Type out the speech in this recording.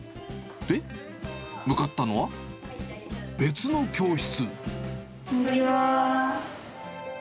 で、向かったのは、別の教室。